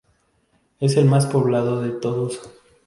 Es el más poblado de todos.